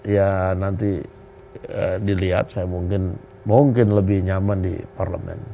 ya nanti dilihat saya mungkin lebih nyaman di parlemen